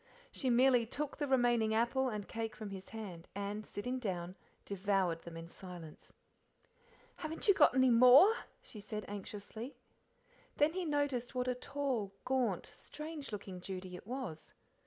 She merely took the remaining apple and cake from his hand, and, sitting down, devoured them in silence. "Haven't you got any more?" she said anxiously. Then he noticed what a tall, gaunt, strange looking Judy it was.